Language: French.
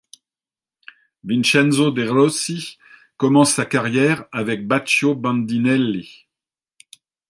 Vincenzo de' Rossi commence sa carrière avec Baccio Bandinelli.